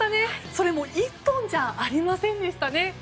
それも１本じゃありませんでしたね。